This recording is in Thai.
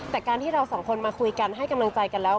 แต่การที่เราสองคนมาคุยกันให้กำลังใจกันแล้ว